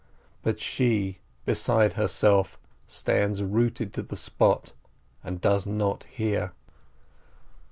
But she, beside herself, stands rooted to the spot, and does not hear.